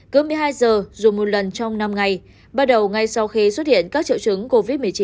cứ một mươi hai giờ dù một lần trong năm ngày bắt đầu ngay sau khi xuất hiện các triệu chứng covid một mươi chín